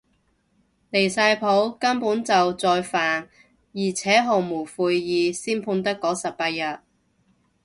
離晒譜，根本就再犯而且毫無悔意，先判得嗰十八日